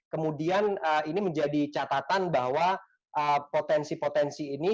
kemudian ini menjadi catatan bahwa potensi potensi ini